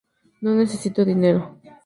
No necesito dinero.